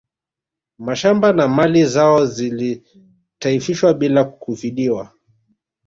Mashamba na mali zao zilitaifishwa bila kufidiwa